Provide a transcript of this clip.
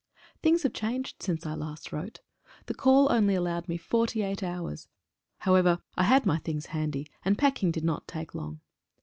HINGS have changed since last I wrote. The call only allowed me 48 hours — however I had my things handy, and packing did not take long.